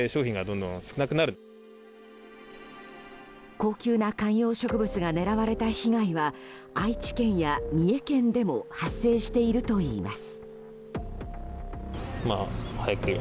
高級な観葉植物が狙われた被害は愛知県や三重県でも発生しているといいます。